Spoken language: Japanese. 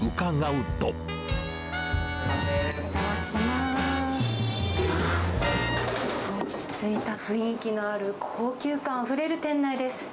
あっ、落ち着いた雰囲気のある、高級感あふれる店内です。